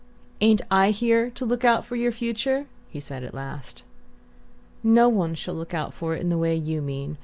"Ain't I here to look out for your future?" he said at last. "No one shall look out for it in the way you mean.